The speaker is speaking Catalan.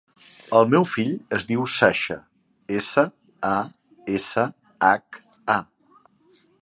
El meu fill es diu Sasha: essa, a, essa, hac, a.